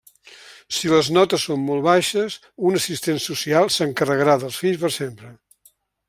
Si les notes són molt baixes, un assistent social s'encarregarà dels fills per sempre.